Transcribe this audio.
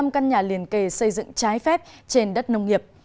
ba mươi năm căn nhà liền kề xây dựng trái phép trên đất nông nghiệp